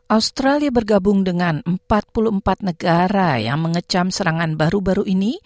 australia bergabung dengan empat puluh empat negara yang mengecam serangan baru baru ini